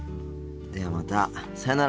ではまたさよなら。